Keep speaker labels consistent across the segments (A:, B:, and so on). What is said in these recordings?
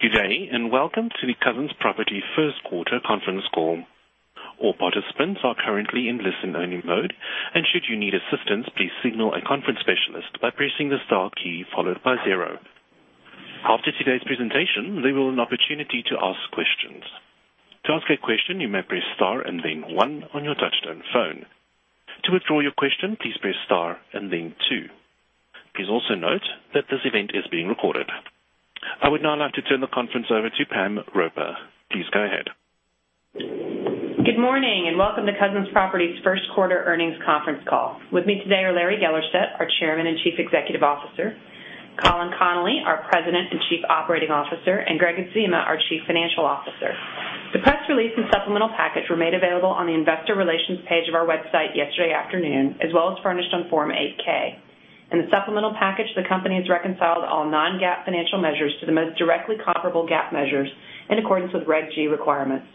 A: Good day, and welcome to the Cousins Properties first quarter conference call. All participants are currently in listen-only mode, and should you need assistance, please signal a conference specialist by pressing the star key followed by 0. After today's presentation, there will an opportunity to ask questions. To ask a question, you may press star and then 1 on your touch-tone phone. To withdraw your question, please press star and then 2. Please also note that this event is being recorded. I would now like to turn the conference over to Pamela Roper. Please go ahead.
B: Good morning, and welcome to Cousins Properties's first quarter earnings conference call. With me today are Larry Gellerstedt, our Chairman and Chief Executive Officer, Colin Connolly, our President and Chief Operating Officer, and Gregg Adzema, our Chief Financial Officer. The press release and supplemental package were made available on the investor relations page of our website yesterday afternoon, as well as furnished on Form 8-K. In the supplemental package, the company has reconciled all non-GAAP financial measures to the most directly comparable GAAP measures in accordance with Regulation G requirements.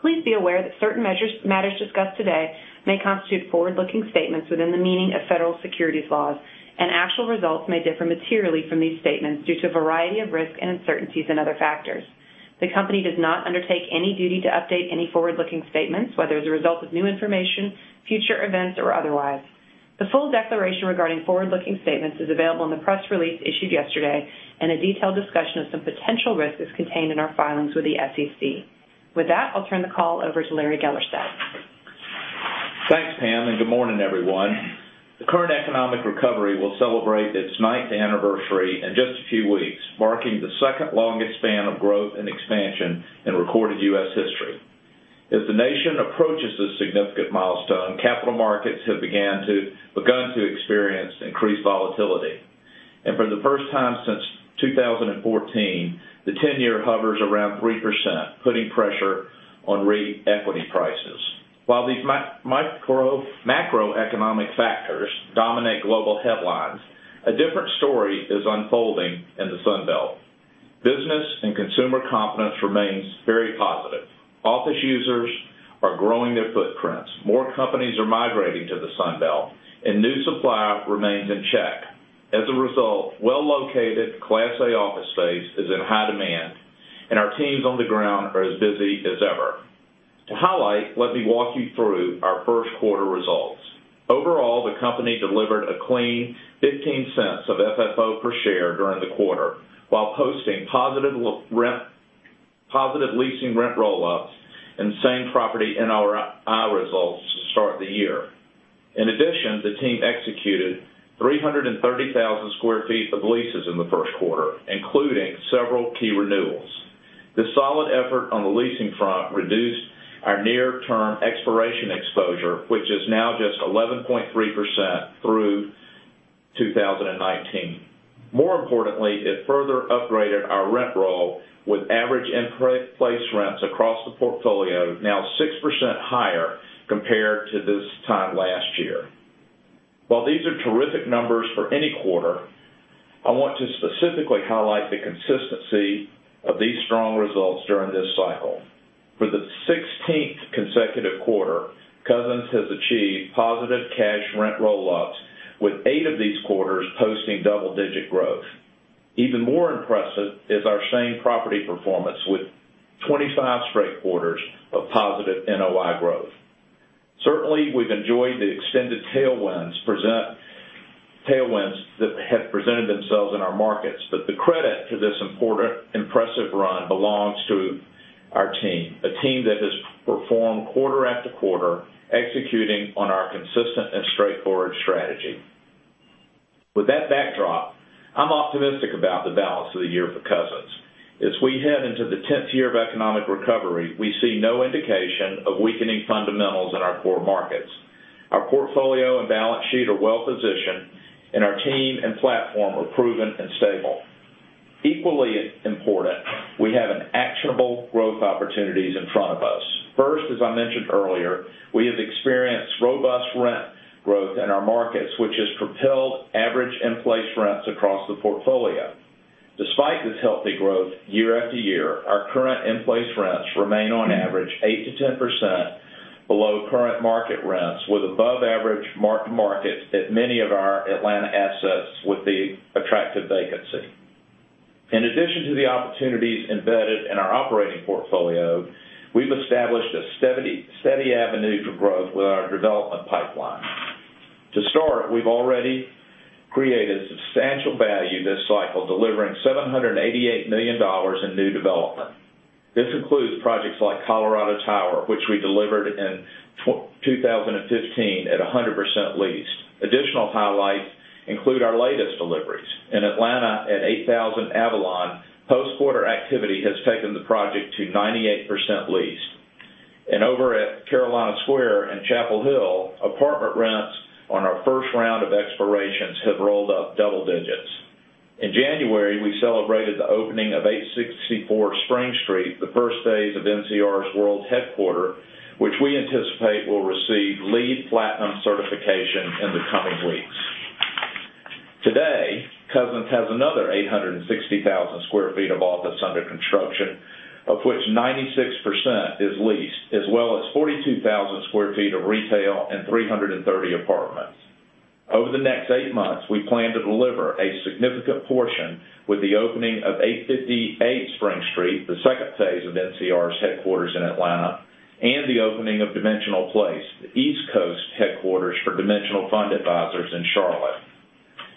B: Please be aware that certain matters discussed today may constitute forward-looking statements within the meaning of federal securities laws, and actual results may differ materially from these statements due to a variety of risks and uncertainties and other factors. The company does not undertake any duty to update any forward-looking statements, whether as a result of new information, future events, or otherwise. The full declaration regarding forward-looking statements is available in the press release issued yesterday, and a detailed discussion of some potential risks is contained in our filings with the SEC. With that, I'll turn the call over to Larry Gellerstedt.
C: Thanks, Pam, and good morning, everyone. The current economic recovery will celebrate its ninth anniversary in just a few weeks, marking the second longest span of growth and expansion in recorded U.S. history. As the nation approaches this significant milestone, capital markets have begun to experience increased volatility. For the first time since 2014, the 10-year hovers around 3%, putting pressure on REIT equity prices. While these macroeconomic factors dominate global headlines, a different story is unfolding in the Sun Belt. Business and consumer confidence remains very positive. Office users are growing their footprints. More companies are migrating to the Sun Belt, and new supply remains in check. As a result, well-located Class A office space is in high demand, and our teams on the ground are as busy as ever. To highlight, let me walk you through our first quarter results. Overall, the company delivered a clean $0.15 of FFO per share during the quarter, while posting positive leasing rent roll-ups and same-property NOI results to start the year. In addition, the team executed 330,000 sq ft of leases in the first quarter, including several key renewals. This solid effort on the leasing front reduced our near-term expiration exposure, which is now just 11.3% through 2019. More importantly, it further upgraded our rent roll with average in-place rents across the portfolio now 6% higher compared to this time last year. While these are terrific numbers for any quarter, I want to specifically highlight the consistency of these strong results during this cycle. For the 16th consecutive quarter, Cousins has achieved positive cash rent roll-ups, with eight of these quarters posting double-digit growth. Even more impressive is our same-property performance, with 25 straight quarters of positive NOI growth. Certainly, we've enjoyed the extended tailwinds that have presented themselves in our markets, but the credit for this impressive run belongs to our team, a team that has performed quarter after quarter, executing on our consistent and straightforward strategy. With that backdrop, I'm optimistic about the balance of the year for Cousins. As we head into the 10th year of economic recovery, we see no indication of weakening fundamentals in our core markets. Our portfolio and balance sheet are well-positioned, and our team and platform are proven and stable. Equally as important, we have actionable growth opportunities in front of us. First, as I mentioned earlier, we have experienced robust rent growth in our markets, which has propelled average in-place rents across the portfolio. Despite this healthy growth year after year, our current in-place rents remain on average 8%-10% below current market rents, with above-average mark-to-markets at many of our Atlanta assets with the attractive vacancy. In addition to the opportunities embedded in our operating portfolio, we've established a steady avenue for growth with our development pipeline. To start, we've already created substantial value this cycle, delivering $788 million in new development. This includes projects like Colorado Tower, which we delivered in 2015 at 100% leased. Additional highlights include our latest deliveries. In Atlanta, at 8000 Avalon, post-quarter activity has taken the project to 98% leased. Over at Carolina Square in Chapel Hill, apartment rents on our first round of expirations have rolled up double digits. In January, we celebrated the opening of 864 Spring Street, the first phase of NCR's world headquarter, which we anticipate will receive LEED Platinum certification in the coming weeks. Today, Cousins has another 860,000 sq ft of office under construction, of which 96% is leased, as well as 42,000 sq ft of retail and 330 apartments. Over the next eight months, we plan to deliver a significant portion with the opening of 858 Spring Street, the second phase of NCR's headquarters in Atlanta, and the opening of Dimensional Place, the East Coast headquarters for Dimensional Fund Advisors in Charlotte.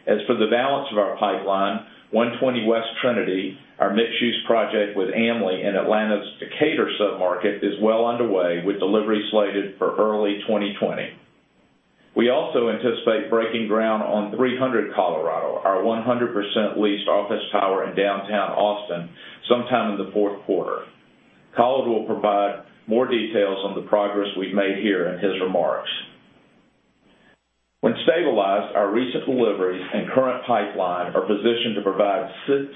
C: As for the balance of our pipeline, 120 West Trinity, our mixed-use project with AMLI in Atlanta's Decatur sub-market, is well underway with delivery slated for early 2020. We also anticipate breaking ground on 300 Colorado, our 100% leased office tower in downtown Austin, sometime in the fourth quarter. Colin will provide more details on the progress we've made here in his remarks. When stabilized, our recent deliveries and current pipeline are positioned to provide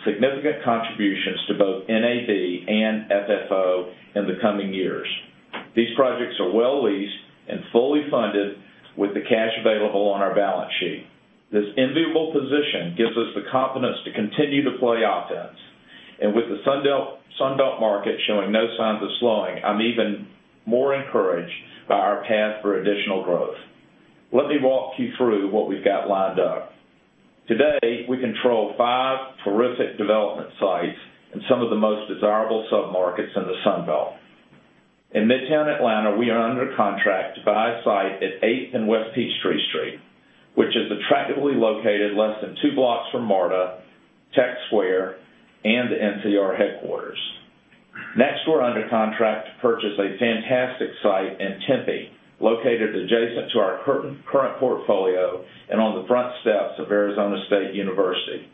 C: significant contributions to both NAV and FFO in the coming years. These projects are well leased and fully funded with the cash available on our balance sheet. This enviable position gives us the confidence to continue to play offense. With the Sunbelt market showing no signs of slowing, I'm even more encouraged by our path for additional growth. Let me walk you through what we've got lined up. Today, we control five terrific development sites in some of the most desirable submarkets in the Sunbelt. In Midtown Atlanta, we are under contract to buy a site at Eighth and West Peachtree Street, which is attractively located less than two blocks from MARTA, Tech Square, and the NCR headquarters. We're under contract to purchase a fantastic site in Tempe, located adjacent to our current portfolio and on the front steps of Arizona State University.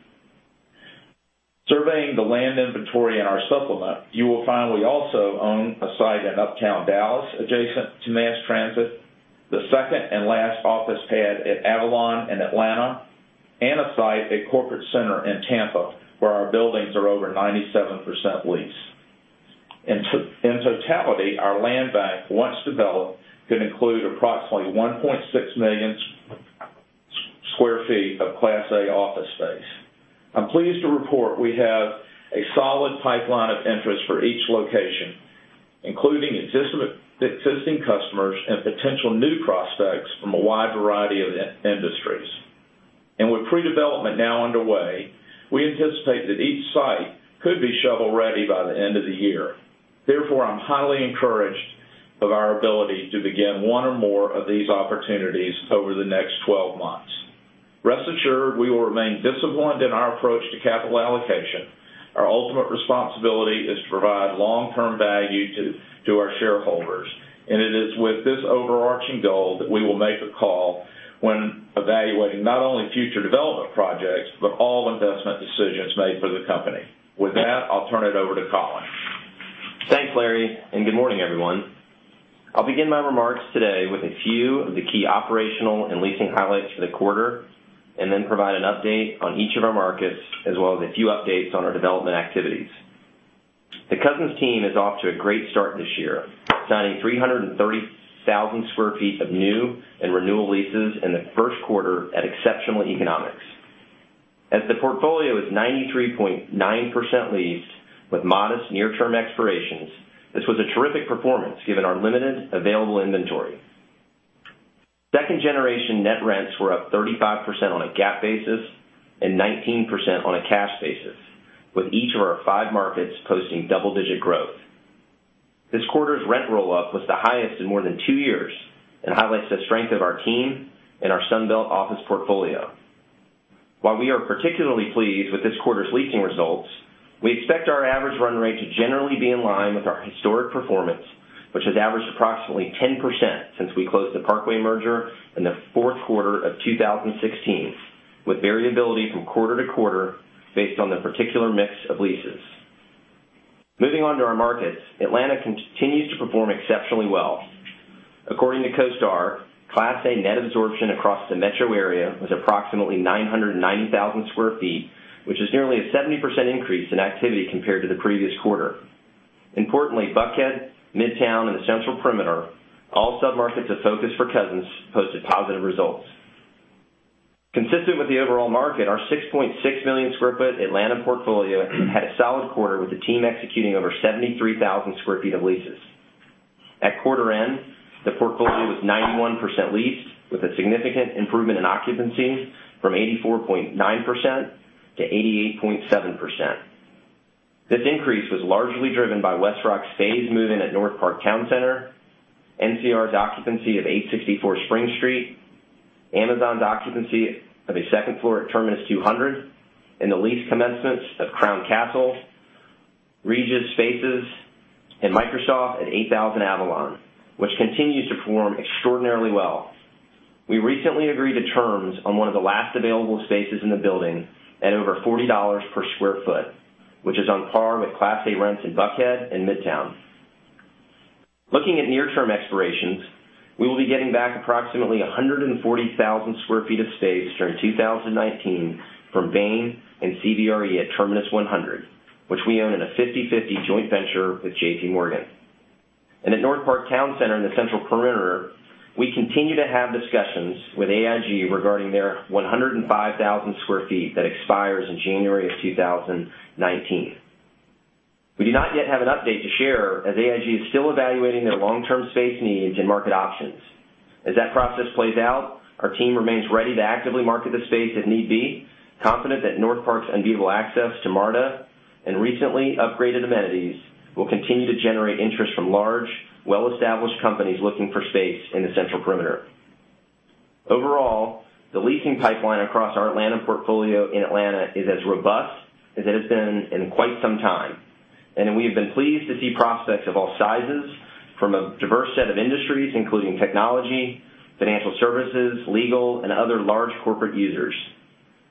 C: Surveying the land inventory in our supplement, you will find we also own a site in Uptown Dallas adjacent to mass transit, the second and last office pad at Avalon in Atlanta, and a site at Corporate Center in Tampa, where our buildings are over 97% leased. In totality, our land bank, once developed, could include approximately 1.6 million sq ft of Class A office space. I'm pleased to report we have a solid pipeline of interest for each location, including existing customers and potential new prospects from a wide variety of industries. With pre-development now underway, we anticipate that each site could be shovel-ready by the end of the year. I'm highly encouraged of our ability to begin one or more of these opportunities over the next 12 months. Rest assured, we will remain disciplined in our approach to capital allocation. Our ultimate responsibility is to provide long-term value to our shareholders. It is with this overarching goal that we will make a call when evaluating not only future development projects, but all investment decisions made for the company. With that, I'll turn it over to Colin.
D: Thanks, Larry, and good morning, everyone. I'll begin my remarks today with a few of the key operational and leasing highlights for the quarter, and then provide an update on each of our markets, as well as a few updates on our development activities. The Cousins team is off to a great start this year, signing 330,000 sq ft of new and renewal leases in the first quarter at exceptional economics. As the portfolio is 93.9% leased with modest near-term expirations, this was a terrific performance given our limited available inventory. Second-generation net rents were up 35% on a GAAP basis and 19% on a cash basis, with each of our five markets posting double-digit growth. This quarter's rent roll-up was the highest in more than two years and highlights the strength of our team and our Sunbelt office portfolio. While we are particularly pleased with this quarter's leasing results, we expect our average run rate to generally be in line with our historic performance, which has averaged approximately 10% since we closed the Parkway merger in the fourth quarter of 2016, with variability from quarter to quarter based on the particular mix of leases. Moving on to our markets, Atlanta continues to perform exceptionally well. According to CoStar, Class A net absorption across the metro area was approximately 990,000 square feet, which is nearly a 70% increase in activity compared to the previous quarter. Importantly, Buckhead, Midtown, and the Central Perimeter, all sub-markets of focus for Cousins, posted positive results. Consistent with the overall market, our 6.6 million square foot Atlanta portfolio had a solid quarter, with the team executing over 73,000 square feet of leases. At quarter end, the portfolio was 91% leased, with a significant improvement in occupancy from 84.9% to 88.7%. This increase was largely driven by WestRock's phase move-in at Northpark Town Center, NCR's occupancy of 864 Spring Street, Amazon's occupancy of a second floor at Terminus 200, and the lease commencement of Crown Castle, Regus spaces, and Microsoft at 8000 Avalon, which continues to perform extraordinarily well. We recently agreed to terms on one of the last available spaces in the building at over $40 per square foot, which is on par with Class A rents in Buckhead and Midtown. Looking at near-term expirations, we will be getting back approximately 140,000 square feet of space during 2019 from Bain and CBRE at Terminus 100, which we own in a 50/50 joint venture with JP Morgan. At Northpark Town Center in the Central Perimeter, we continue to have discussions with AIG regarding their 105,000 square feet that expires in January of 2019. We do not yet have an update to share, as AIG is still evaluating their long-term space needs and market options. As that process plays out, our team remains ready to actively market the space if need be, confident that Northpark's unbeatable access to MARTA and recently upgraded amenities will continue to generate interest from large, well-established companies looking for space in the Central Perimeter. Overall, the leasing pipeline across our Atlanta portfolio in Atlanta is as robust as it has been in quite some time, and we have been pleased to see prospects of all sizes from a diverse set of industries, including technology, financial services, legal, and other large corporate users.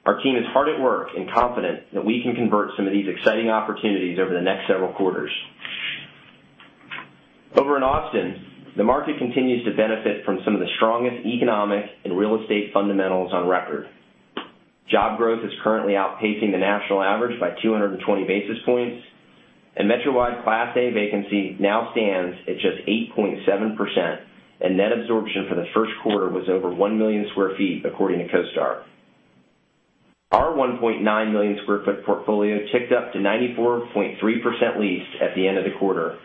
D: Our team is hard at work and confident that we can convert some of these exciting opportunities over the next several quarters. Over in Austin, the market continues to benefit from some of the strongest economic and real estate fundamentals on record. Job growth is currently outpacing the national average by 220 basis points, and metro-wide Class A vacancy now stands at just 8.7%, and net absorption for the first quarter was over 1 million square feet, according to CoStar. Our 1.9 million square foot portfolio ticked up to 94.3% leased at the end of the quarter.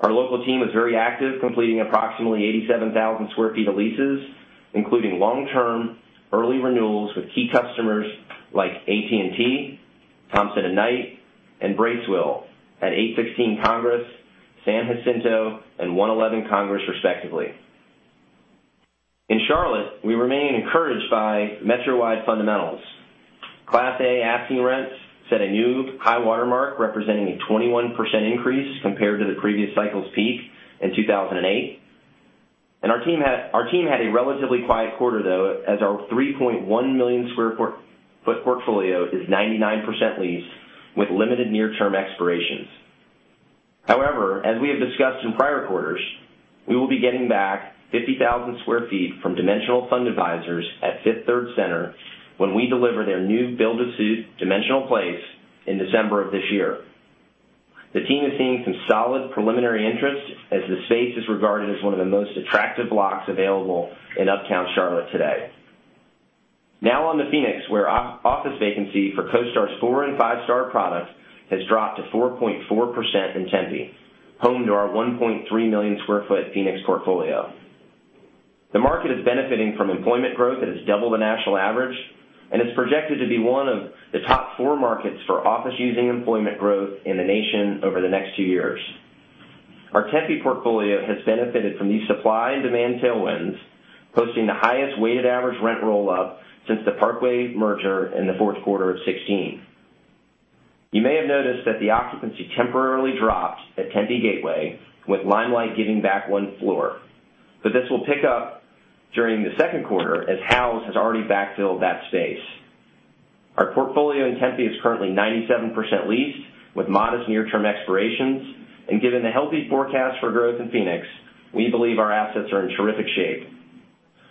D: Our local team is very active, completing approximately 87,000 square feet of leases, including long-term early renewals with key customers like AT&T, Thompson & Knight, and Bracewell at 816 Congress, San Jacinto, and 111 Congress, respectively. In Charlotte, we remain encouraged by metro-wide fundamentals. Class A asking rents set a new high water mark, representing a 21% increase compared to the previous cycle's peak in 2008. Our team had a relatively quiet quarter, though, as our 3.1 million square foot portfolio is 99% leased with limited near-term expirations. However, as we have discussed in prior quarters, we will be getting back 50,000 square feet from Dimensional Fund Advisors at Fifth Third Center when we deliver their new build-to-suit Dimensional Place in December of this year. The team is seeing some solid preliminary interest as the space is regarded as one of the most attractive blocks available in Uptown Charlotte today. On to Phoenix, where office vacancy for CoStar's four and five-star product has dropped to 4.4% in Tempe, home to our 1.3 million square foot Phoenix portfolio. The market is benefiting from employment growth that is double the national average and is projected to be one of the top four markets for office-using employment growth in the nation over the next two years. Our Tempe portfolio has benefited from these supply and demand tailwinds, posting the highest weighted average rent rollout since the Parkway merger in the fourth quarter of 2016. You may have noticed that the occupancy temporarily dropped at Tempe Gateway, with Limelight giving back one floor, but this will pick up during the second quarter as Houzz has already backfilled that space. Our portfolio in Tempe is currently 97% leased with modest near-term expirations. Given the healthy forecast for growth in Phoenix, we believe our assets are in terrific shape.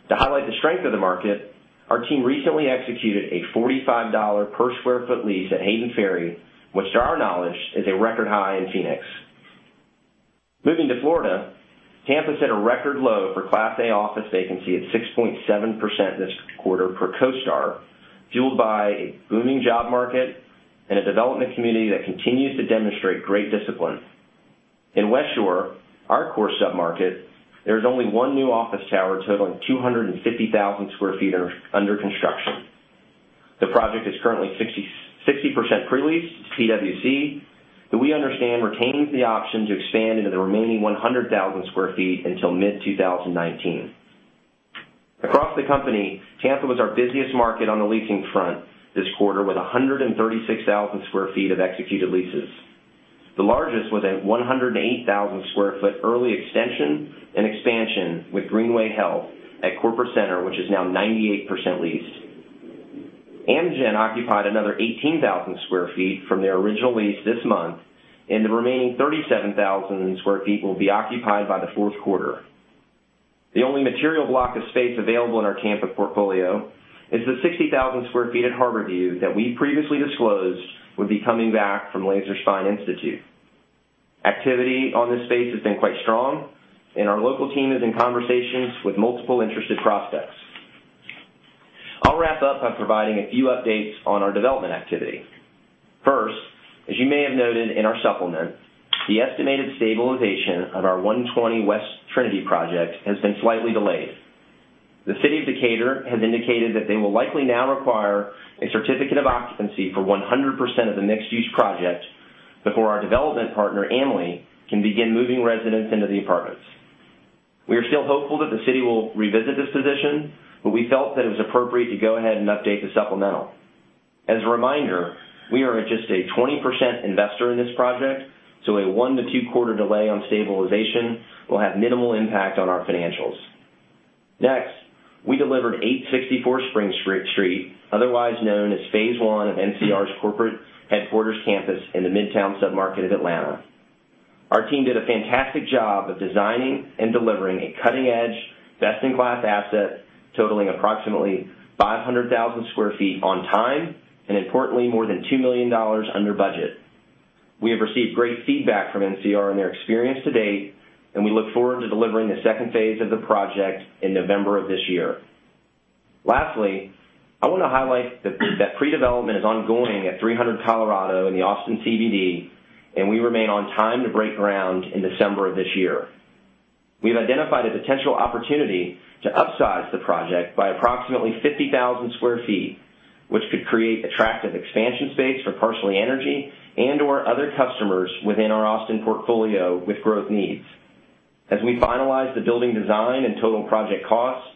D: To highlight the strength of the market, our team recently executed a $45 per square foot lease at Hayden Ferry, which to our knowledge, is a record high in Phoenix. Moving to Florida, Tampa set a record low for Class A office vacancy at 6.7% this quarter per CoStar, fueled by a booming job market and a development community that continues to demonstrate great discipline. In Westshore, our core sub-market, there is only one new office tower totaling 250,000 square feet under construction. The project is currently 60% pre-leased to PwC, who we understand retains the option to expand into the remaining 100,000 square feet until mid-2019. Across the company, Tampa was our busiest market on the leasing front this quarter, with 136,000 square feet of executed leases. The largest was a 108,000 square foot early extension and expansion with Greenway Health at Corporate Center, which is now 98% leased. Amgen occupied another 18,000 square feet from their original lease this month, the remaining 37,000 square feet will be occupied by the fourth quarter. The only material block of space available in our Tampa portfolio is the 60,000 square feet at Harborview that we previously disclosed would be coming back from Laser Spine Institute. Activity on this space has been quite strong, and our local team is in conversations with multiple interested prospects. I'll wrap up by providing a few updates on our development activity. First, as you may have noted in our supplement, the estimated stabilization of our 120 West Trinity project has been slightly delayed. The city of Decatur has indicated that they will likely now require a certificate of occupancy for 100% of the mixed-use project before our development partner, AMLI, can begin moving residents into the apartments. We are still hopeful that the city will revisit this position, but we felt that it was appropriate to go ahead and update the supplemental. As a reminder, we are just a 20% investor in this project, so a one- to two-quarter delay on stabilization will have minimal impact on our financials. Next, we delivered 864 Spring Street, otherwise known as phase one of NCR's corporate headquarters campus in the Midtown submarket of Atlanta. Our team did a fantastic job of designing and delivering a cutting-edge, best-in-class asset totaling approximately 500,000 sq ft on time, and importantly, more than $2 million under budget. We have received great feedback from NCR on their experience to date, and we look forward to delivering the second phase of the project in November of this year. Lastly, I want to highlight that pre-development is ongoing at 300 Colorado in the Austin CBD, and we remain on time to break ground in December of this year. We've identified a potential opportunity to upsize the project by approximately 50,000 sq ft, which could create attractive expansion space for Parsley Energy and/or other customers within our Austin portfolio with growth needs. As we finalize the building design and total project costs,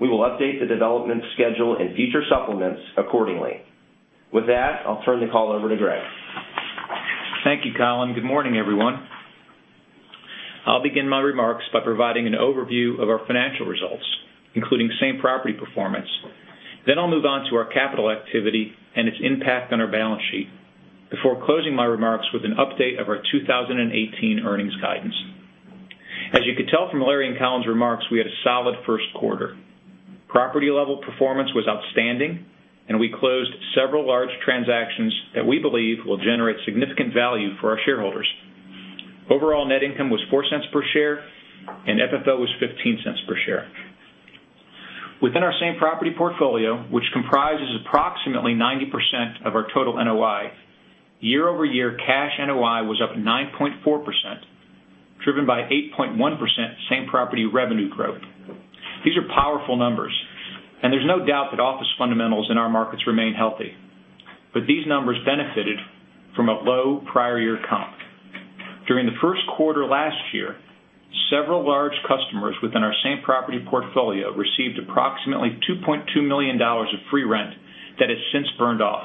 D: we will update the development schedule and future supplements accordingly. With that, I'll turn the call over to Gregg.
E: Thank you, Colin. Good morning, everyone. I'll begin my remarks by providing an overview of our financial results, including same-property performance. I'll move on to our capital activity and its impact on our balance sheet. Before closing my remarks with an update of our 2018 earnings guidance. As you could tell from Larry and Colin's remarks, we had a solid first quarter. Property-level performance was outstanding, and we closed several large transactions that we believe will generate significant value for our shareholders. Overall net income was $0.04 per share, and FFO was $0.15 per share. Within our same property portfolio, which comprises approximately 90% of our total NOI, year-over-year cash NOI was up 9.4%, driven by 8.1% same-property revenue growth. These are powerful numbers, and there's no doubt that office fundamentals in our markets remain healthy. These numbers benefited from a low prior year comp. During the first quarter last year, several large customers within our same-property portfolio received approximately $2.2 million of free rent that has since burned off.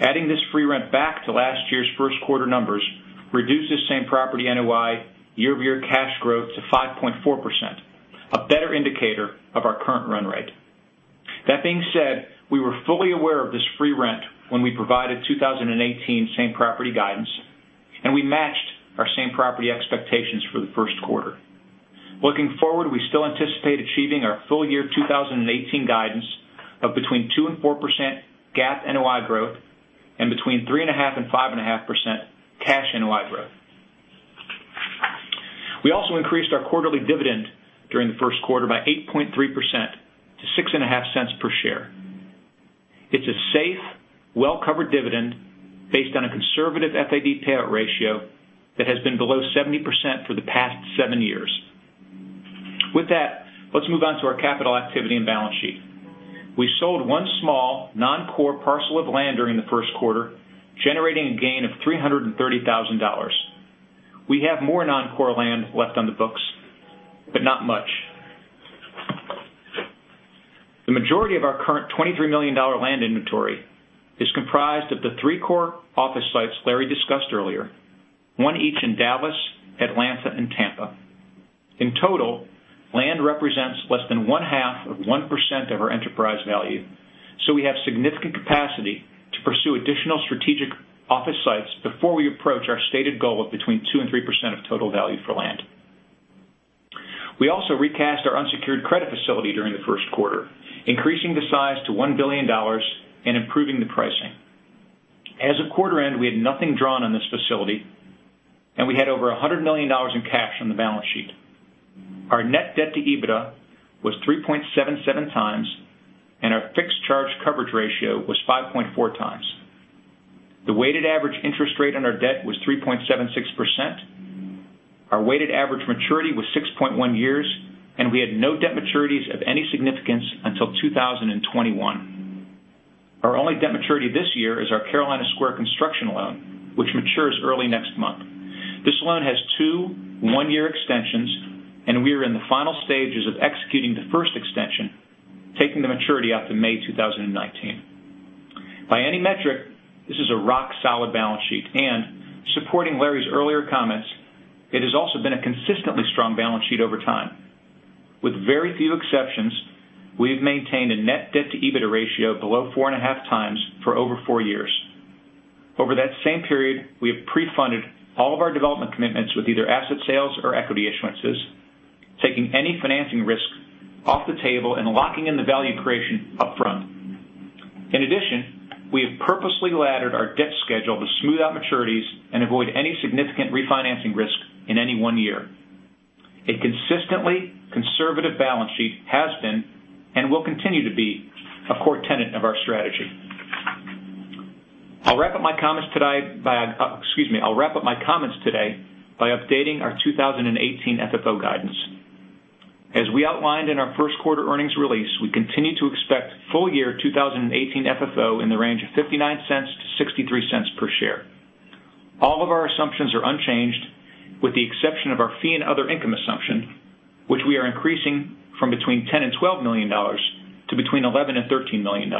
E: Adding this free rent back to last year's first-quarter numbers reduces same-property NOI year-over-year cash growth to 5.4%, a better indicator of our current run rate. That being said, we were fully aware of this free rent when we provided 2018 same-property guidance, and we matched our same-property expectations for the first quarter. Looking forward, we still anticipate achieving our full year 2018 guidance of between 2%-4% GAAP NOI growth and between 3.5%-5.5% cash NOI growth. We also increased our quarterly dividend during the first quarter by 8.3% to $0.065 per share. It's a safe, well-covered dividend based on a conservative FAD payout ratio that has been below 70% for the past seven years. With that, let's move on to our capital activity and balance sheet. We sold one small non-core parcel of land during the first quarter, generating a gain of $330,000. We have more non-core land left on the books, but not much. The majority of our current $23 million land inventory is comprised of the three core office sites Larry discussed earlier, one each in Dallas, Atlanta, and Tampa. In total, land represents less than one half of 1% of our enterprise value. We have significant capacity to pursue additional strategic office sites before we approach our stated goal of between 2% and 3% of total value for land. We also recast our unsecured credit facility during the first quarter, increasing the size to $1 billion and improving the pricing. As of quarter end, we had nothing drawn on this facility, and we had over $100 million in cash on the balance sheet. Our net debt to EBITDA was 3.77 times, and our fixed charge coverage ratio was 5.4 times. The weighted average interest rate on our debt was 3.76%. Our weighted average maturity was 6.1 years, and we had no debt maturities of any significance until 2021. Our only debt maturity this year is our Carolina Square construction loan, which matures early next month. This loan has two one-year extensions, and we are in the final stages of executing the first extension, taking the maturity out to May 2019. By any metric, this is a rock-solid balance sheet, and supporting Larry's earlier comments, it has also been a consistently strong balance sheet over time. With very few exceptions, we have maintained a net debt to EBITDA ratio below 4.5 times for over four years. Over that same period, we have pre-funded all of our development commitments with either asset sales or equity issuances, taking any financing risk off the table and locking in the value creation upfront. In addition, we have purposely laddered our debt schedule to smooth out maturities and avoid any significant refinancing risk in any one year. A consistently conservative balance sheet has been and will continue to be a core tenet of our strategy. I'll wrap up my comments today by updating our 2018 FFO guidance. As we outlined in our first quarter earnings release, we continue to expect full year 2018 FFO in the range of $0.59-$0.63 per share. All of our assumptions are unchanged, with the exception of our fee and other income assumption, which we are increasing from between $10 million and $12 million to between $11 million and $13 million.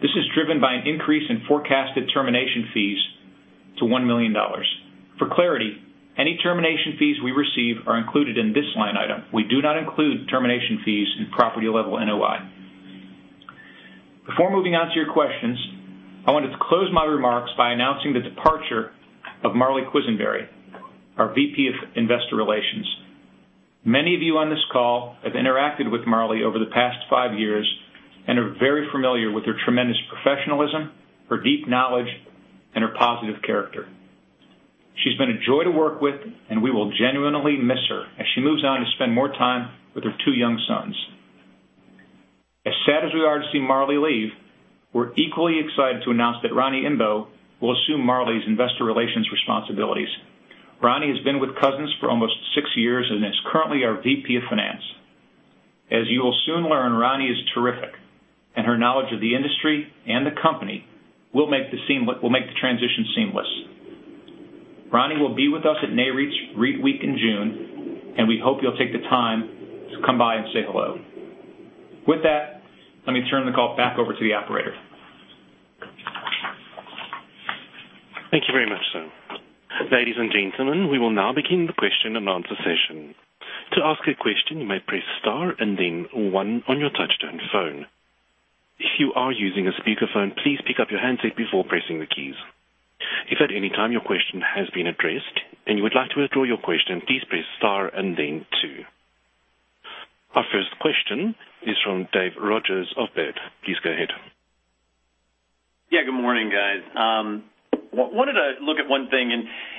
E: This is driven by an increase in forecasted termination fees to $1 million. For clarity, any termination fees we receive are included in this line item. We do not include termination fees in property-level NOI. Before moving on to your questions, I wanted to close my remarks by announcing the departure of Marli Quisenberry, our VP of Investor Relations. Many of you on this call have interacted with Marleigh over the past five years and are very familiar with her tremendous professionalism, her deep knowledge, and her positive character. She's been a joy to work with, and we will genuinely miss her as she moves on to spend more time with her two young sons. As sad as we are to see Marli leave, we're equally excited to announce that Roni Imbeaux will assume Marli's investor relations responsibilities. Roni has been with Cousins for almost six years and is currently our VP of Finance. As you will soon learn, Roni is terrific, and her knowledge of the industry and the company will make the transition seamless. Roni will be with us at Nareit Week in June, and we hope you'll take the time to come by and say hello. With that, let me turn the call back over to the operator.
A: Thank you very much, sir. Ladies and gentlemen, we will now begin the question-and-answer session. To ask a question, you may press star and then one on your touch-tone phone. If you are using a speakerphone, please pick up your handset before pressing the keys. If at any time your question has been addressed and you would like to withdraw your question, please press star and then two. Our first question is from David Rodgers of Baird. Please go ahead.
F: Yeah, good morning, guys. Wanted to look at one thing.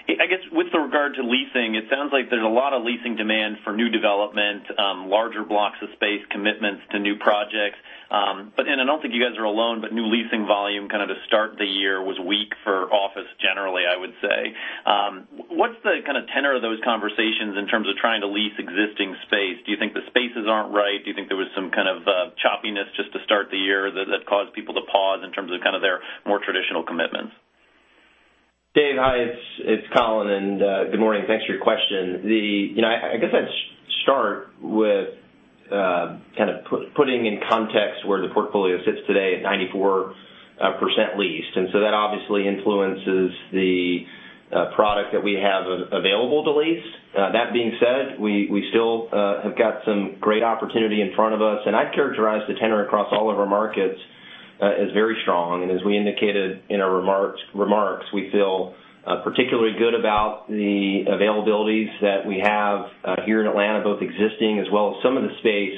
F: I guess with regard to leasing, it sounds like there's a lot of leasing demand for new development, larger blocks of space, commitments to new projects. I don't think you guys are alone, but new leasing volume kind of to start the year was weak for office generally, I would say. What's the kind of tenor of those conversations in terms of trying to lease existing space? Do you think the spaces aren't right? Do you think there was some kind of choppiness just to start the year that caused people to pause in terms of kind of their more traditional commitments?
D: Dave, hi. It's Colin, and good morning. Thanks for your question. I guess I'd start with kind of putting in context where the portfolio sits today at 94% leased. That obviously influences the product that we have available to lease. That being said, we still have got some great opportunity in front of us, and I'd characterize the tenor across all of our markets as very strong. As we indicated in our remarks, we feel particularly good about the availabilities that we have here in Atlanta, both existing as well as some of the space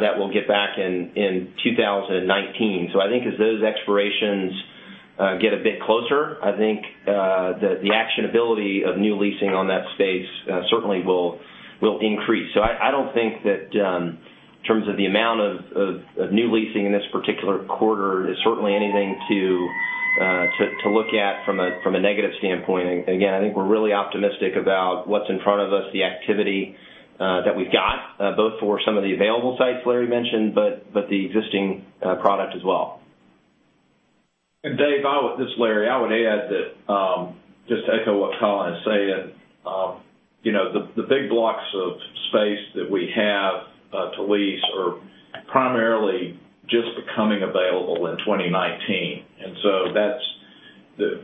D: that we'll get back in 2019. I think as those expirations get a bit closer, I think, the actionability of new leasing on that space certainly will increase. I don't think that in terms of the amount of new leasing in this particular quarter is certainly anything to look at from a negative standpoint. Again, I think we're really optimistic about what's in front of us, the activity that we've got, both for some of the available sites Larry mentioned, but the existing product as well.
C: Dave, this is Larry. I would add that, just to echo what Colin is saying. The big blocks of space that we have to lease are primarily just becoming available in 2019.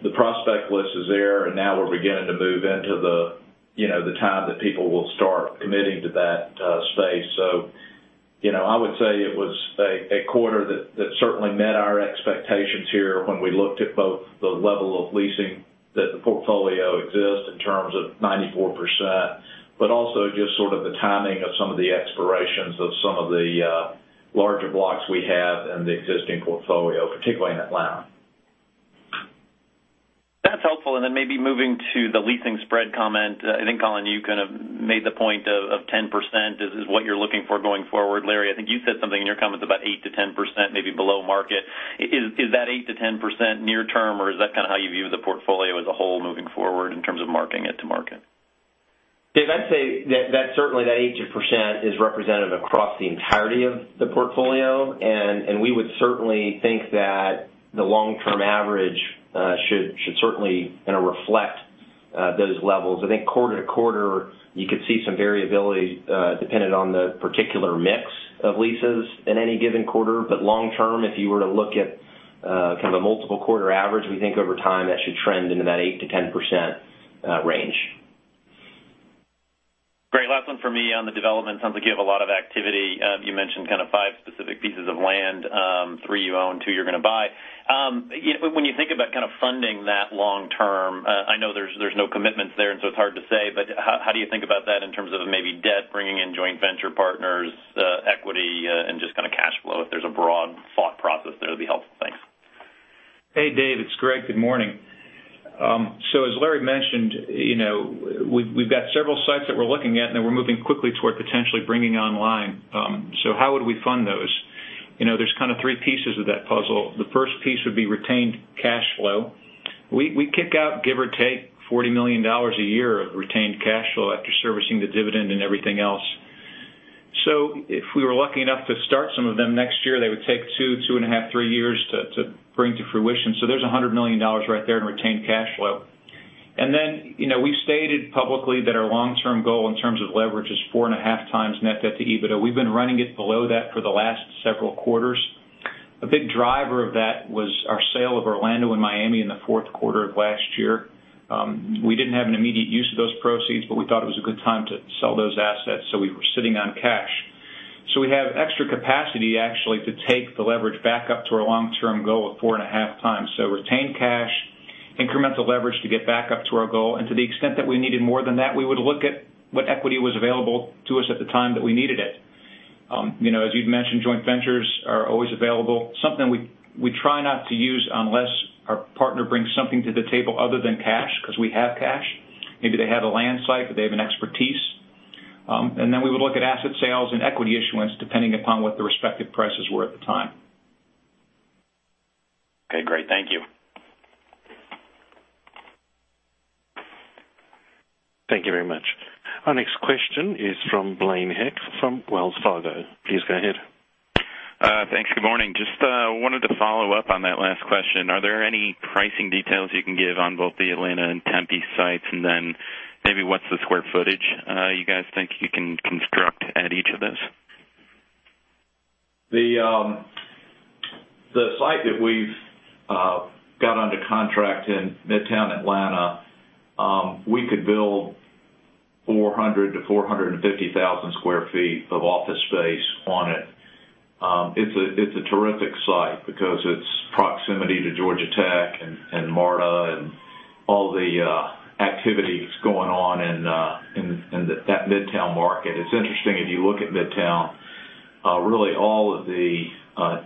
C: The prospect list is there, and now we're beginning to move into the time that people will start committing to that space. I would say it was a quarter that certainly met our expectations here when we looked at both the level of leasing that the portfolio exists in terms of 94%, but also just sort of the timing of some of the expirations of some of the larger blocks we have in the existing portfolio, particularly in Atlanta.
F: That's helpful. Then maybe moving to the leasing spread comment. I think, Colin, you kind of made the point of 10% is what you're looking for going forward. Larry, I think you said something in your comments about 8%-10%, maybe below market. Is that 8%-10% near term, or is that kind of how you view the portfolio as a whole moving forward in terms of marketing it to market?
D: Dave, I'd say that certainly that 8% is represented across the entirety of the portfolio, we would certainly think that the long-term average should certainly reflect those levels. I think quarter-to-quarter, you could see some variability, depending on the particular mix of leases in any given quarter. Long term, if you were to look at kind of a multiple quarter average, we think over time that should trend into that 8%-10% range.
F: Great. Last one for me on the development. Sounds like you have a lot of activity. You mentioned kind of five specific pieces of land. Three you own, two you're going to buy. When you think about kind of funding that long term, I know there's no commitments there, and so it's hard to say, but how do you think about that in terms of maybe debt, bringing in joint venture partners, equity, and just kind of cash flow, if there's a broad thought process there, that'd be helpful. Thanks.
E: Hey, Dave, it's Gregg. Good morning. As Larry mentioned, we've got several sites that we're looking at, and that we're moving quickly toward potentially bringing online. How would we fund those? There's kind of three pieces of that puzzle. The first piece would be retained cash flow. We kick out, give or take, $40 million a year of retained cash flow after servicing the dividend and everything else. If we were lucky enough to start some of them next year, they would take two and a half, three years to bring to fruition. There's $100 million right there in retained cash flow. We've stated publicly that our long-term goal in terms of leverage is four and a half times net debt to EBITDA. We've been running it below that for the last several quarters.
C: A big driver of that was our sale of Orlando and Miami in the fourth quarter of last year. We didn't have an immediate use of those proceeds, but we thought it was a good time to sell those assets, so we were sitting on cash. We have extra capacity, actually, to take the leverage back up to our long-term goal of four and a half times. Retained cash, incremental leverage to get back up to our goal, and to the extent that we needed more than that, we would look at what equity was available to us at the time that we needed it. As you'd mentioned, joint ventures are always available. Something we try not to use unless our partner brings something to the table other than cash, because we have cash. Maybe they have a land site, but they have an expertise. We would look at asset sales and equity issuance depending upon what the respective prices were at the time.
F: Okay, great. Thank you.
A: Thank you very much. Our next question is from Blaine Heck from Wells Fargo. Please go ahead.
G: Thanks. Good morning. Just wanted to follow up on that last question. Are there any pricing details you can give on both the Atlanta and Tempe sites? Then maybe what's the square footage you guys think you can construct at each of those?
C: The site that we've got under contract in Midtown Atlanta, we could build 400,000 to 450,000 square feet of office space on it. It's a terrific site because its proximity to Georgia Tech and MARTA and all the activities going on in that Midtown market. It's interesting, if you look at Midtown, really all of the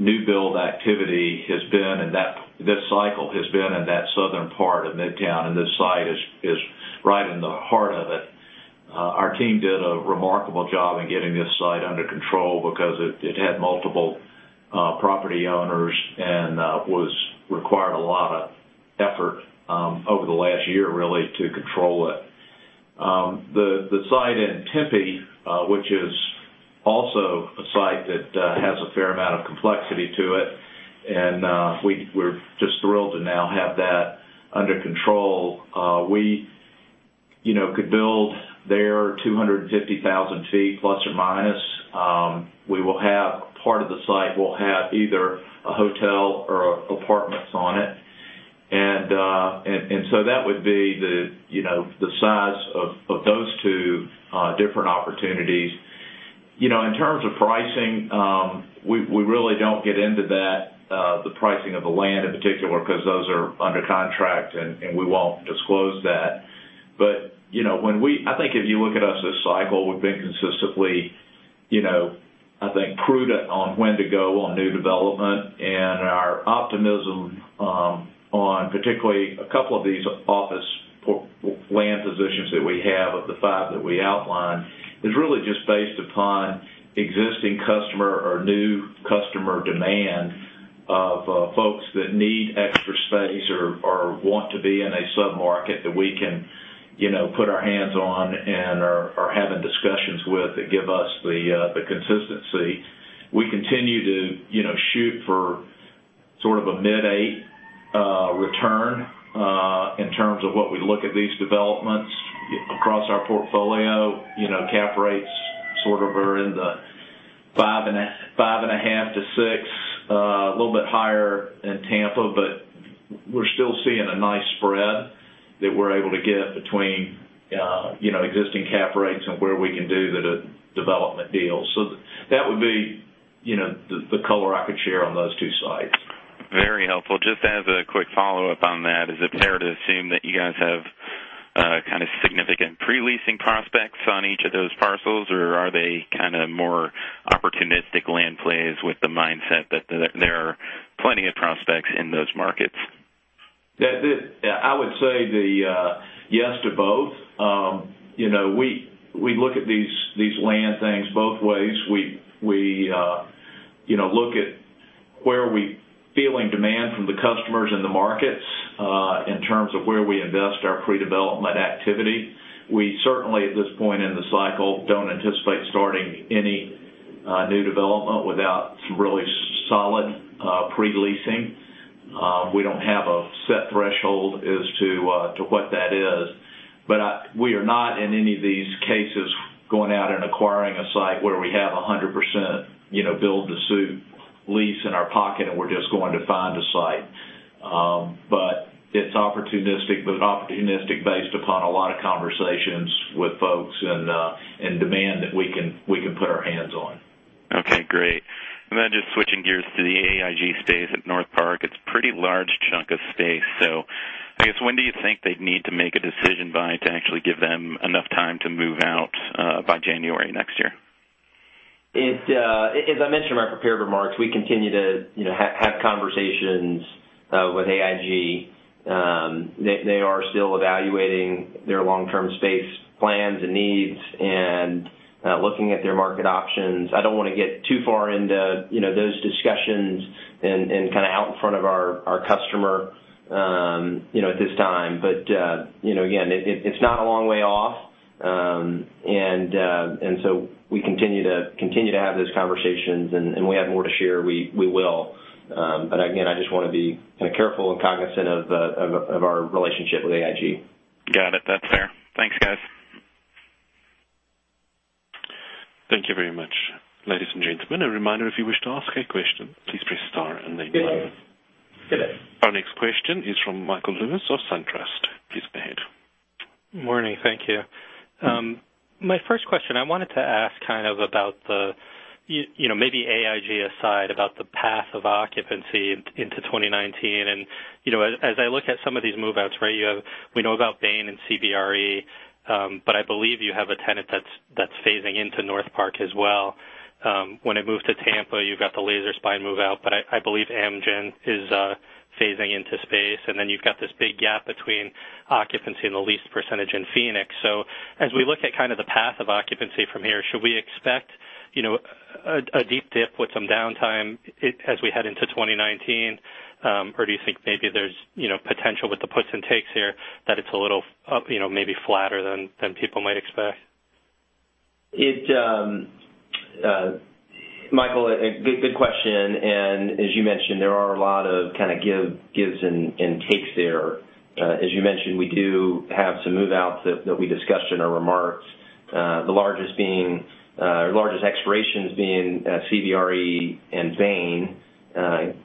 C: new build activity this cycle has been in that southern part of Midtown. This site is right in the heart of it. Our team did a remarkable job in getting this site under control because it had multiple property owners. Required a lot of effort over the last year really to control it. The site in Tempe, which is also a site that has a fair amount of complexity to it. We're just thrilled to now have that under control. We could build there 250,000 feet, plus or minus. Part of the site will have either a hotel or apartments on it. That would be the size of those two different opportunities. In terms of pricing, we really don't get into that, the pricing of the land in particular, because those are under contract, and we won't disclose that. I think if you look at us this cycle, we've been consistently, I think, prudent on when to go on new development and our optimism on particularly a couple of these office land positions that we have of the five that we outlined, is really just based upon existing customer or new customer demand of folks that need extra space or want to be in a sub-market that we can put our hands on and are having discussions with that give us the consistency. We continue to shoot for sort of a mid-8 return in terms of what we look at these developments across our portfolio. Cap rates sort of are in the 5.5%-6%. A little bit higher in Tampa, but we're still seeing a nice spread that we're able to get between existing cap rates and where we can do the development deals. That would be the color I could share on those two sites.
G: Very helpful. Just as a quick follow-up on that, is it fair to assume that you guys have kind of significant pre-leasing prospects on each of those parcels, or are they kind of more opportunistic land plays with the mindset that there are plenty of prospects in those markets?
C: I would say yes to both. We look at these land things both ways. We look at where are we feeling demand from the customers in the markets, in terms of where we invest our pre-development activity. We certainly, at this point in the cycle, don't anticipate starting any new development without some really solid pre-leasing. We don't have a set threshold as to what that is, but we are not, in any of these cases, going out and acquiring a site where we have 100% build to suit lease in our pocket, and we're just going to find a site. It's opportunistic, but opportunistic based upon a lot of conversations with folks and demand that we can put our hands on.
G: Okay, great. Just switching gears to the AIG space at Northpark. It's a pretty large chunk of space. I guess when do you think they'd need to make a decision by to actually give them enough time to move out by January next year?
D: As I mentioned in my prepared remarks, we continue to have conversations with AIG. They are still evaluating their long-term space plans and needs and looking at their market options. I don't want to get too far into those discussions and kind of out in front of our customer at this time. Again, it's not a long way off, we continue to have those conversations, and when we have more to share, we will. Again, I just want to be kind of careful and cognizant of our relationship with AIG.
G: Got it. That's fair. Thanks, guys.
A: Thank you very much. Ladies and gentlemen, a reminder, if you wish to ask a question, please press star and then zero. Our next question is from Michael Lewis of SunTrust. Please go ahead.
H: Morning. Thank you. My first question, I wanted to ask kind of about the, maybe AIG aside, about the path of occupancy into 2019. As I look at some of these move-outs, we know about Bain and CBRE. I believe you have a tenant that's phasing into NorthPark as well. When it moved to Tampa, you've got the Laser Spine move-out, but I believe Amgen is phasing into space. Then you've got this big gap between occupancy and the lease percentage in Phoenix. As we look at kind of the path of occupancy from here, should we expect a deep dip with some downtime as we head into 2019? Or do you think maybe there's potential with the puts and takes here that it's a little maybe flatter than people might expect?
D: Michael, good question. As you mentioned, there are a lot of kind of gives and takes there. As you mentioned, we do have some move-outs that we discussed in our remarks. The largest expirations being CBRE and Bain,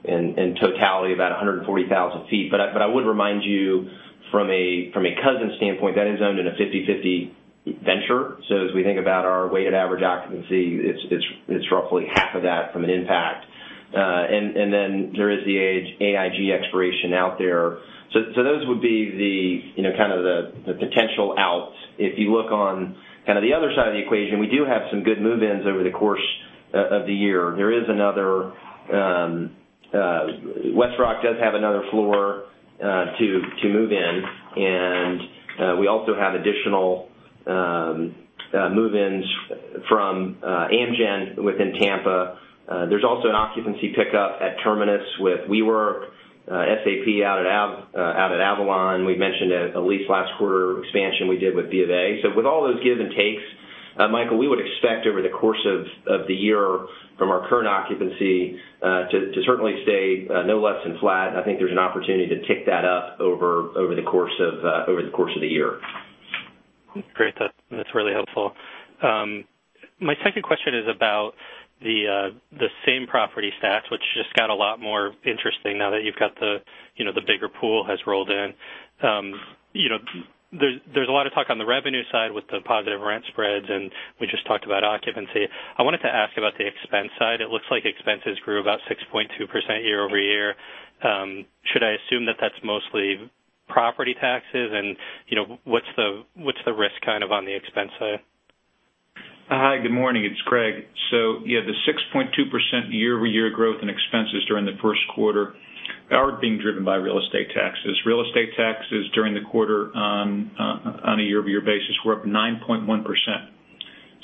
D: in totality, about 140,000 feet. I would remind you from a Cousins standpoint, that is owned in a 50/50 venture. As we think about our weighted average occupancy, it's roughly half of that from an impact. Then there is the AIG expiration out there. Those would be the kind of the potential outs. If you look on kind of the other side of the equation, we do have some good move-ins over the course of the year. WestRock does have another floor to move in, and we also have additional move-ins from Amgen within Tampa. There's also an occupancy pickup at Terminus with WeWork, SAP out at Avalon. We've mentioned a lease last quarter expansion we did with BofA. With all those gives and takes, Michael, we would expect over the course of the year from our current occupancy to certainly stay no less than flat. I think there's an opportunity to tick that up over the course of the year.
H: Great. That's really helpful. My second question is about the same property stats, which just got a lot more interesting now that you've got the bigger pool has rolled in. There's a lot of talk on the revenue side with the positive rent spreads, we just talked about occupancy. I wanted to ask about the expense side. It looks like expenses grew about 6.2% year-over-year. Should I assume that that's mostly property taxes, what's the risk kind of on the expense side?
E: Hi, good morning. It's Gregg. Yeah, the 6.2% year-over-year growth in expenses during the first quarter are being driven by real estate taxes. Real estate taxes during the quarter on a year-over-year basis were up 9.1%.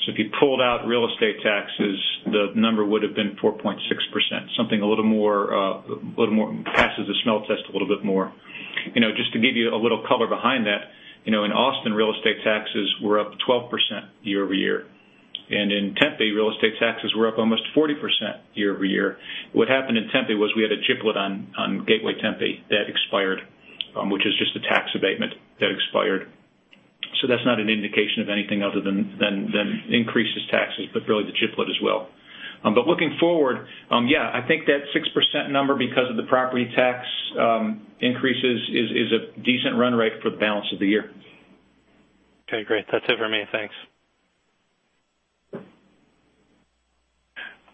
E: If you pulled out real estate taxes, the number would've been 4.6%, something a little more passes the smell test a little bit more. Just to give you a little color behind that, in Austin, real estate taxes were up 12% year-over-year. In Tempe, real estate taxes were up almost 40% year-over-year. What happened in Tempe was we had a GPLET on Gateway Tempe that expired, which is just a tax abatement that expired. That's not an indication of anything other than increases taxes, but really the GPLET as well. Looking forward, yeah, I think that 6% number because of the property tax increases is a decent run rate for the balance of the year.
H: Okay, great. That's it for me. Thanks.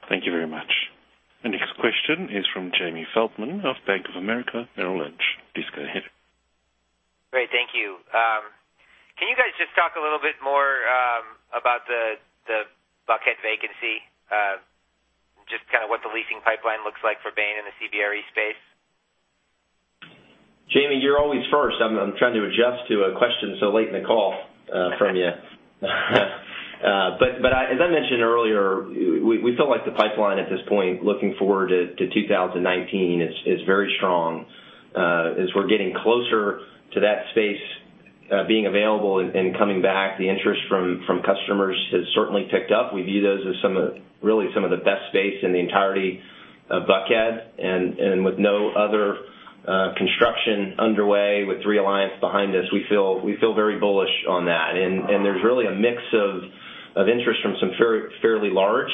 A: Thank you very much. The next question is from Jamie Feldman of Bank of America Merrill Lynch. Please go ahead.
I: Great. Thank you. Can you guys just talk a little bit more about the Buckhead vacancy, just kind of what the leasing pipeline looks like for Bain in the CBRE space?
D: Jamie, you're always first. I'm trying to adjust to a question so late in the call from you. As I mentioned earlier, we feel like the pipeline at this point, looking forward to 2019, is very strong. As we're getting closer to that space being available and coming back, the interest from customers has certainly picked up. We view those as really some of the best space in the entirety of Buckhead. With no other construction underway, with Three Alliance behind us, we feel very bullish on that. There's really a mix of interest from some fairly large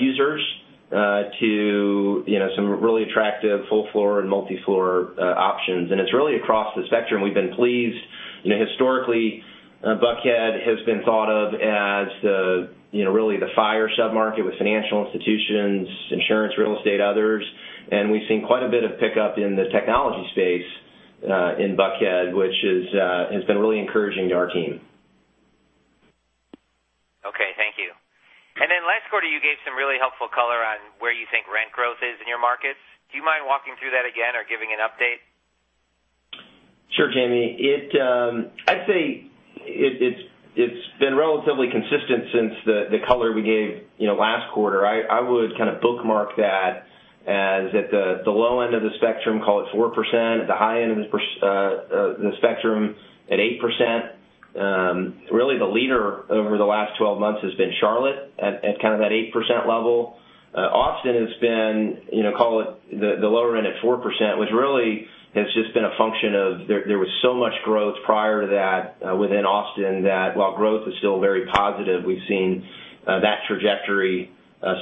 D: users to some really attractive full-floor and multi-floor options. It's really across the spectrum. We've been pleased. Historically, Buckhead has been thought of as really the fire sub-market with financial institutions, insurance, real estate, others. We've seen quite a bit of pickup in the technology space in Buckhead, which has been really encouraging to our team.
I: Okay. Thank you. Last quarter, you gave some really helpful color on where you think rent growth is in your markets. Do you mind walking through that again or giving an update?
D: Sure, Jamie. I'd say it's been relatively consistent since the color we gave last quarter. I would kind of bookmark that as at the low end of the spectrum, call it 4%, at the high end of the spectrum at 8%. Really the leader over the last 12 months has been Charlotte at kind of that 8% level. Austin has been, call it the lower end at 4%, which really has just been a function of there was so much growth prior to that within Austin that while growth is still very positive, we've seen that trajectory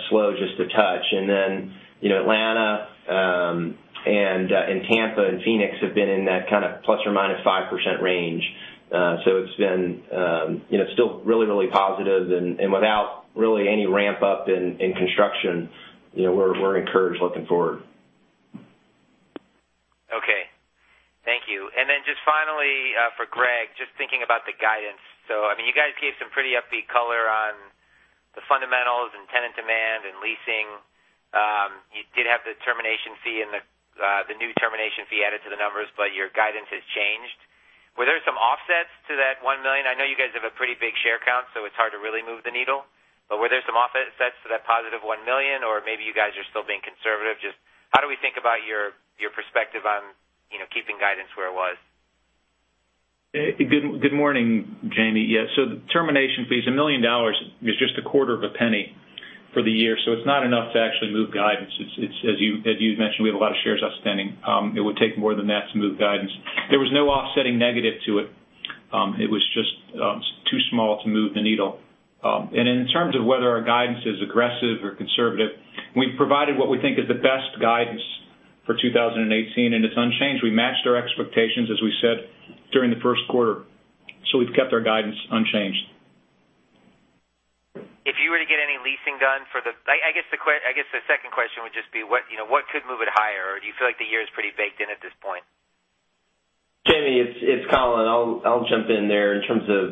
D: slow just a touch. Atlanta and Tampa and Phoenix have been in that kind of ±5% range. It's been still really positive, and without really any ramp-up in construction, we're encouraged looking forward.
I: Okay. Thank you. Just finally, for Gregg, just thinking about the guidance. You guys gave some pretty upbeat color on the fundamentals in tenant demand and leasing. You did have the termination fee and the new termination fee added to the numbers, but your guidance has changed. Were there some offsets to that $1 million? I know you guys have a pretty big share count, so it's hard to really move the needle. Were there some offsets to that positive $1 million, or maybe you guys are still being conservative? Just how do we think about your perspective on keeping guidance where it was?
E: Good morning, Jamie. Yeah. The termination fee is $1 million, is just a quarter of a penny for the year, so it's not enough to actually move guidance. As you mentioned, we have a lot of shares outstanding. It would take more than that to move guidance. There was no offsetting negative to it. It was just too small to move the needle. In terms of whether our guidance is aggressive or conservative, we've provided what we think is the best guidance for 2018, and it's unchanged. We matched our expectations, as we said, during the first quarter, we've kept our guidance unchanged.
I: If you were to get any leasing done for the second question would just be what could move it higher, or do you feel like the year is pretty baked in at this point?
D: Jamie, it's Colin. I'll jump in there in terms of,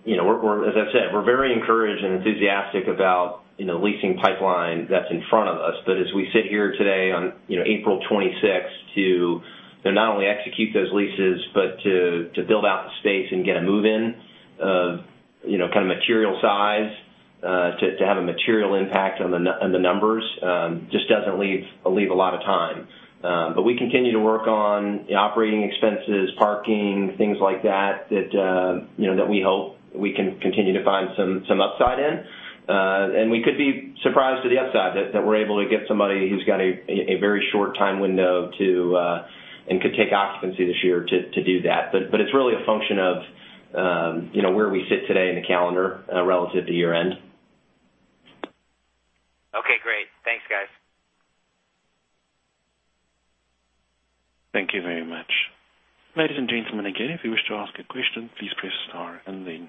D: as I said, we're very encouraged and enthusiastic about leasing pipeline that's in front of us. As we sit here today on April 26th to not only execute those leases, but to build out the space and get a move in of material size, to have a material impact on the numbers, just doesn't leave a lot of time. We continue to work on operating expenses, parking, things like that we hope we can continue to find some upside in. We could be surprised to the upside that we're able to get somebody who's got a very short time window to, and could take occupancy this year to do that. It's really a function of where we sit today in the calendar, relative to year-end.
I: Okay, great. Thanks, guys.
A: Thank you very much. Ladies and gentlemen, again, if you wish to ask a question, please press star and then.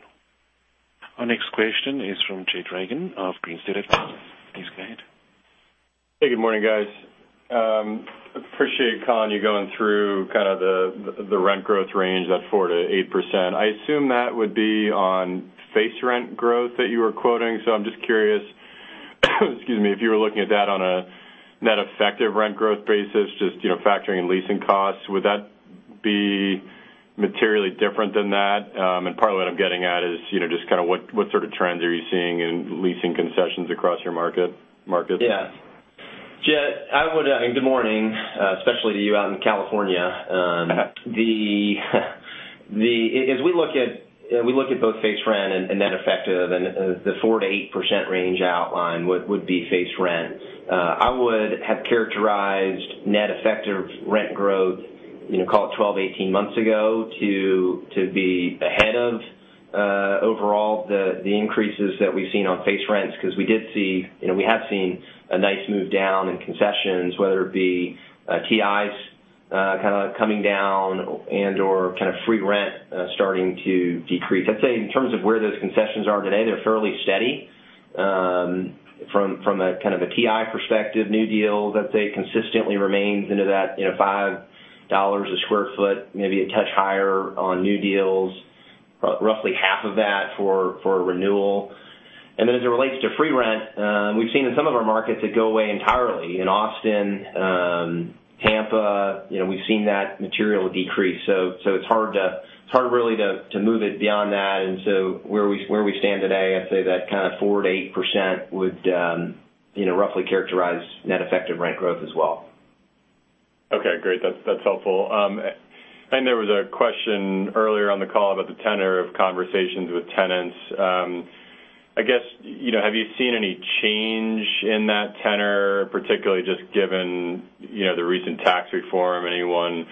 A: Our next question is from Jed Reagan of Green Street Advisors. Please go ahead.
J: Hey, good morning, guys. Appreciate, Colin, you going through kind of the rent growth range, that 4%-8%. I assume that would be on face rent growth that you were quoting. I'm just curious, excuse me, if you were looking at that on a net effective rent growth basis, just factoring in leasing costs. Would that be materially different than that? Part of what I'm getting at is just kind of what sort of trends are you seeing in leasing concessions across your markets?
D: Jed, good morning, especially to you out in California. As we look at both face rent and net effective, the 4%-8% range outline would be face rent. I would have characterized net effective rent growth, call it 12-18 months ago to be ahead of overall the increases that we've seen on face rents, because we have seen a nice move down in concessions, whether it be TIs kind of coming down and/or kind of free rent starting to decrease. I'd say in terms of where those concessions are today, they're fairly steady. From a kind of a TI perspective, new deal, I'd say consistently remains into that $5 a sq ft, maybe a touch higher on new deals, roughly half of that for a renewal. As it relates to free rent, we've seen in some of our markets it go away entirely. In Austin, Tampa, we've seen that material decrease. It's hard really to move it beyond that, where we stand today, I'd say that kind of 4%-8% would roughly characterize net effective rent growth as well.
J: Okay, great. That's helpful. There was a question earlier on the call about the tenor of conversations with tenants. I guess, have you seen any change in that tenor, particularly just given the recent tax reform, anyone?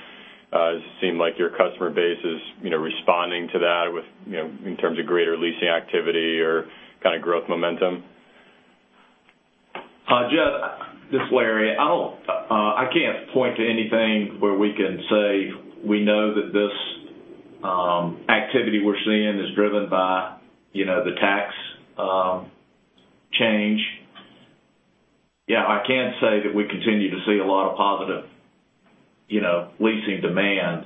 J: Does it seem like your customer base is responding to that in terms of greater leasing activity or kind of growth momentum?
C: Jed, this is Larry. I can't point to anything where we can say we know that this activity we're seeing is driven by the tax change. I can say that we continue to see a lot of positive leasing demand.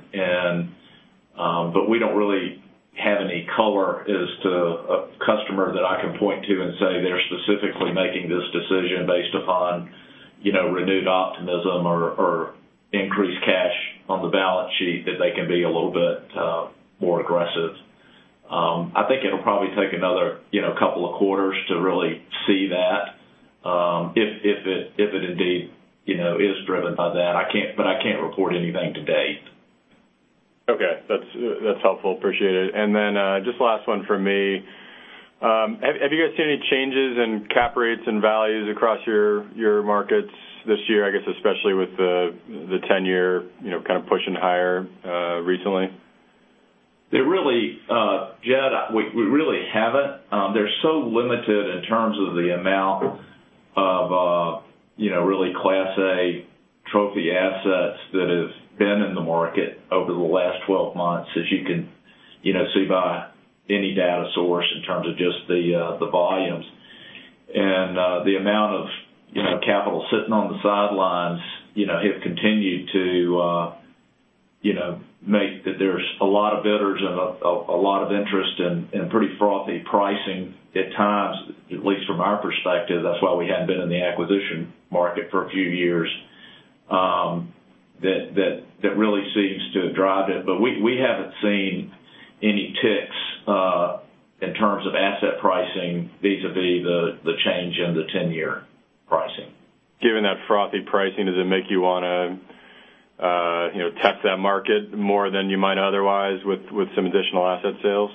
C: We don't really have any color as to a customer that I can point to and say they're specifically making this decision based upon renewed optimism or increased cash on the balance sheet that they can be a little bit more aggressive. I think it'll probably take another couple of quarters to really see that. If it indeed is driven by that. I can't report anything to date.
J: Okay. That's helpful. Appreciate it. Just last one from me. Have you guys seen any changes in cap rates and values across your markets this year, I guess especially with the 10-year kind of pushing higher recently?
C: Jed, we really haven't. They're so limited in terms of the amount of really Class A trophy assets that have been in the market over the last 12 months, as you can see by any data source in terms of just the volumes. The amount of capital sitting on the sidelines have continued to make that there's a lot of bidders and a lot of interest in pretty frothy pricing at times, at least from our perspective. That's why we hadn't been in the acquisition market for a few years. That really seems to have driven it. We haven't seen any ticks in terms of asset pricing vis-a-vis the change in the 10-year pricing.
J: Given that frothy pricing, does it make you want to test that market more than you might otherwise with some additional asset sales?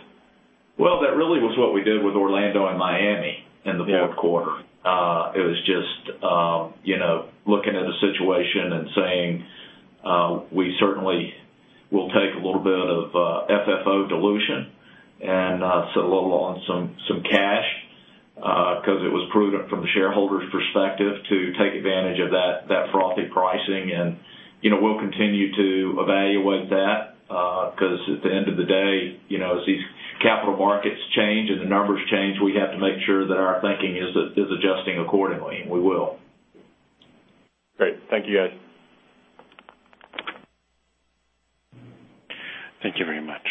C: That really was what we did with Orlando and Miami in the fourth quarter.
J: Yeah.
C: It was just looking at the situation and saying, we certainly will take a little bit of FFO dilution and sell a little on some cash, because it was prudent from the shareholders' perspective to take advantage of that frothy pricing. We'll continue to evaluate that, because at the end of the day, as these capital markets change and the numbers change, we have to make sure that our thinking is adjusting accordingly, and we will.
J: Great. Thank you, guys.
A: Thank you very much.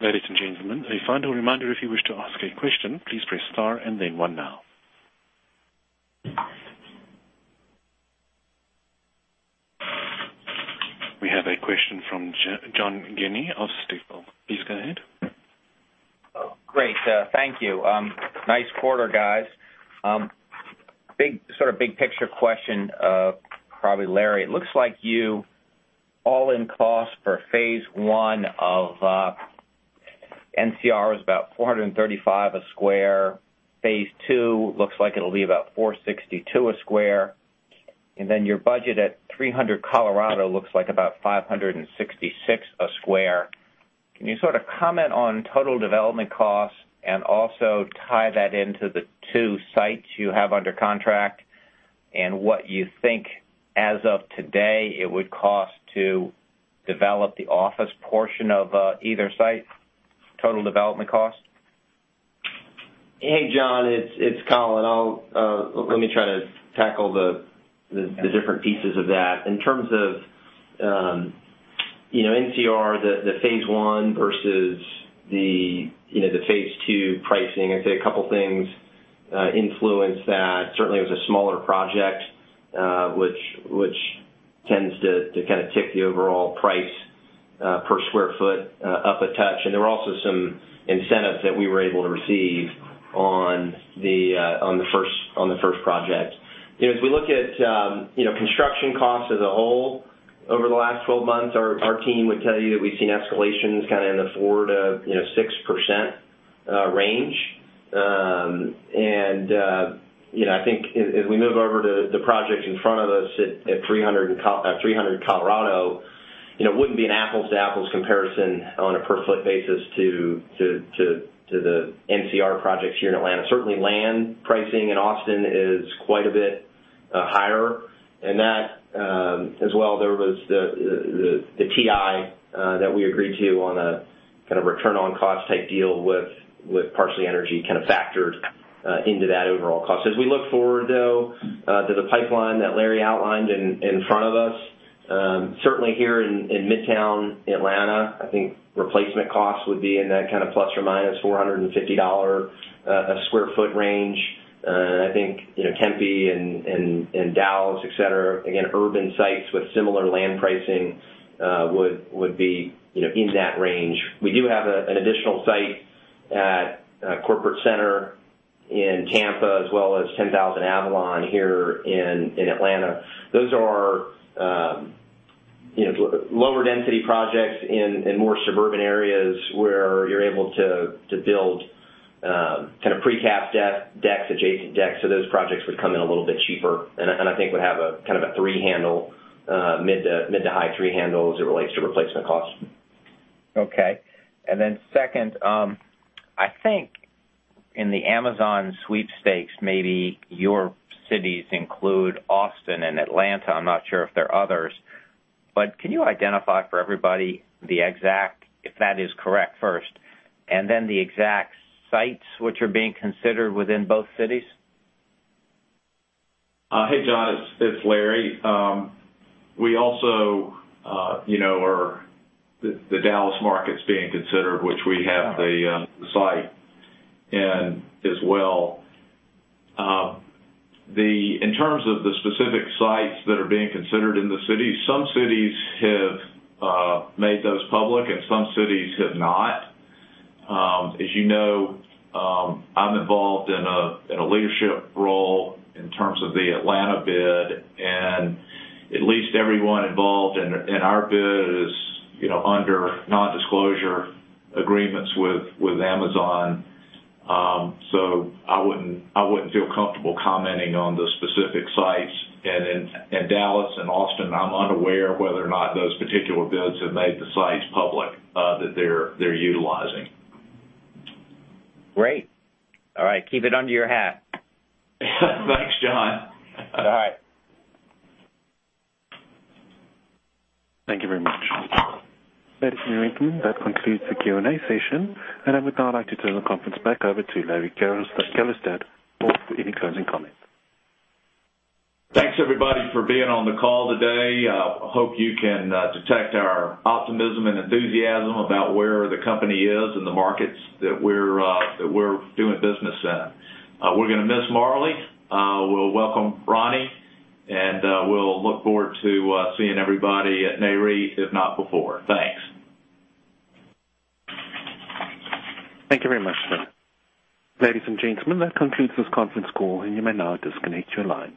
A: Ladies and gentlemen, a final reminder, if you wish to ask a question, please press star and then one now. We have a question from John Guinee of Stifel. Please go ahead.
K: Oh, great. Thank you. Nice quarter, guys. Sort of big picture question, probably Larry. It looks like you all-in cost for phase 1 of NCR is about $435 a square. Phase 2 looks like it'll be about $462 a square. Your budget at Colorado Tower looks like about $566 a square. Can you sort of comment on total development costs and also tie that into the two sites you have under contract and what you think as of today it would cost to develop the office portion of either site? Total development cost.
D: Hey, John, it's Colin. Let me try to tackle the different pieces of that. In terms of NCR, the phase 1 versus the phase 2 pricing, I'd say a couple of things influenced that. Certainly, it was a smaller project, which tends to kind of tick the overall price per square foot up a touch. There were also some incentives that we were able to receive on the first project. As we look at construction costs as a whole over the last 12 months, our team would tell you that we've seen escalations kind of in the 4%-6% range. I think as we move over to the project in front of us at Colorado Tower, it wouldn't be an apples to apples comparison on a per-foot basis to the NCR projects here in Atlanta. Certainly, land pricing in Austin is quite a bit higher, and that as well, there was the TI that we agreed to on a kind of return on cost type deal with Parsley Energy kind of factored into that overall cost. As we look forward, though, to the pipeline that Larry outlined in front of us. Certainly, here in Midtown Atlanta, I think replacement costs would be in that kind of ±$450 a square foot range. I think Tempe and Dallas, et cetera, again, urban sites with similar land pricing, would be in that range. We do have an additional site at Corporate Center in Tampa, as well as 10,000 Avalon here in Atlanta. Those are lower density projects in more suburban areas where you're able to build kind of pre-cap decks, adjacent decks. Those projects would come in a little bit cheaper and I think would have a kind of a three handle, mid to high three handle as it relates to replacement costs.
K: Okay. Second, I think in the Amazon sweepstakes, maybe your cities include Austin and Atlanta. I'm not sure if there are others, can you identify for everybody the exact, if that is correct, first, the exact sites which are being considered within both cities?
C: Hey, John, it's Larry. The Dallas market's being considered, which we have the site in as well. In terms of the specific sites that are being considered in the cities, some cities have made those public some cities have not. As you know, I'm involved in a leadership role in terms of the Atlanta bid, at least everyone involved in our bid is under nondisclosure agreements with Amazon. I wouldn't feel comfortable commenting on the specific sites. In Dallas and Austin, I'm unaware whether or not those particular bids have made the sites public that they're utilizing.
K: Great. All right. Keep it under your hat.
C: Thanks, John.
K: All right.
A: Thank you very much. Ladies and gentlemen, that concludes the Q&A session. I would now like to turn the conference back over to Larry Gellerstedt for any closing comments.
C: Thanks, everybody, for being on the call today. Hope you can detect our optimism and enthusiasm about where the company is and the markets that we're doing business in. We're gonna miss Marleigh. We'll welcome Roni, and we'll look forward to seeing everybody at Nareit, if not before. Thanks.
A: Thank you very much, sir. Ladies and gentlemen, that concludes this conference call. You may now disconnect your lines.